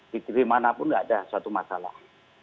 di tv mana pun tidak ada suatu masalah